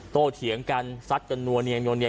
โต่เถียงกันซัดกันนัวเนี่ยน้วเนี่ย